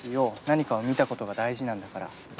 何かを見たことが大事なんだから。